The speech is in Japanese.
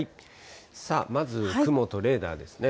さあ、まず雲とレーダーですね。